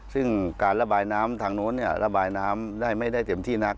ซึ่งการระบายน้ำทางโน้นระบายน้ำได้ไม่ได้เต็มที่นัก